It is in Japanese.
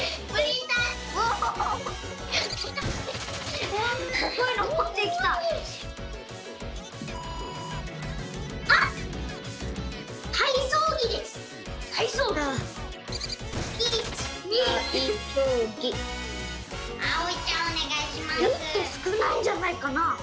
「ギ」ってすくないんじゃないかな？